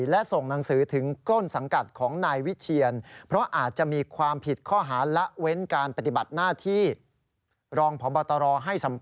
เรื่องนี้ว่าอย่างไร